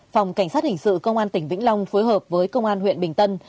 phòng cảnh sát hình sự công an tỉnh vĩnh long phối hợp với công an huyện bình tân